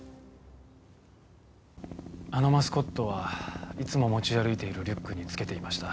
あのマスコットはいつも持ち歩いているリュックにつけていました。